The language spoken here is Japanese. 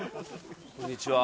こんにちは。